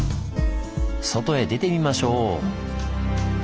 外へ出てみましょう！